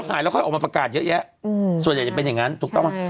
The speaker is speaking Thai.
หายแล้วค่อยออกมาประกาศเยอะแยะส่วนใหญ่จะเป็นอย่างนั้นถูกต้องไหม